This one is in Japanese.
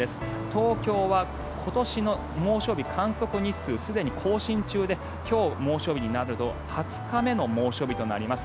東京は今年の猛暑日観測日数すでに更新中で今日、猛暑日になると２０日目の猛暑日となります。